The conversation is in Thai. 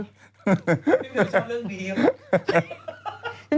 พี่เหมียวชอบเรื่องดีกว่า